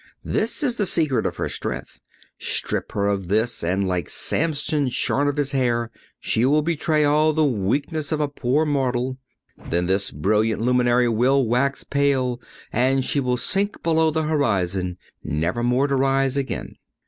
This is the secret of her strength; strip her of this, and, like Samson shorn of his hair, she will betray all the weakness of a poor mortal. Then this brilliant luminary will wax pale and she will sink below the horizon, never more to rise again."